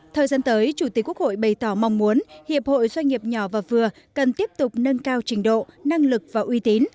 thời gian tới chủ tịch quốc hội bày tỏ mong muốn hiệp hội doanh nghiệp nhỏ và vừa cần tiếp tục nâng cao trình độ năng lực và uy tín